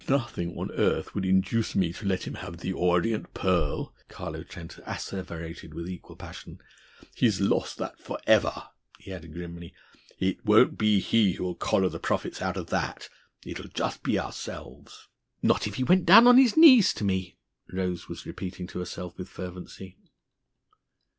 "And nothing on earth would induce me to let him have 'The Orient Pearl'!" Carlo Trent asseverated with equal passion. "He's lost that forever," he added grimly. "It won't be he who'll collar the profits out of that! It'll just be ourselves!" "Not if he went down on his knees to me!" Rose was repeating to herself with fervency.